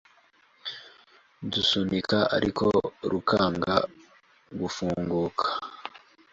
ndusunika ariko rukanga gufunguka